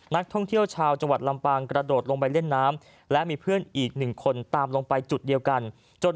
นักท่องเที่ยวชาวจังหวัดลำปางกระโดดลงไปเล่นน้ำและมีเพื่อนอีกหนึ่งคนตามลงไปจุดเดียวกันจน